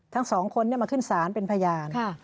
ทั้งสองคนมาขึ้นศาลเป็นพยาน